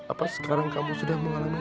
apa sekarang kamu sudah mengalami